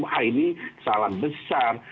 wah ini salah besar